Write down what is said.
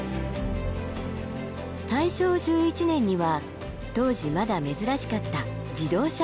大正１１年には当時まだ珍しかった自動車を購入。